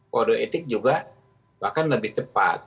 kode etik juga bahkan lebih cepat